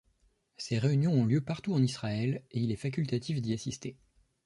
Ces réunions ont lieu partout en Israël et il est facultatif d'y assister.